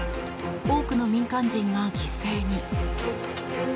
多くの民間人が犠牲に。